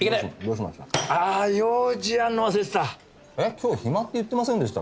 今日暇って言ってませんでした？